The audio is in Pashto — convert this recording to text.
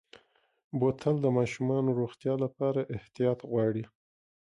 بوتل د ماشومو روغتیا لپاره احتیاط غواړي.